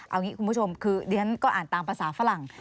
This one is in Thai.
เอางี้คุณผู้ชมคือเรียนก็อ่านตามภาษาฝรั่ง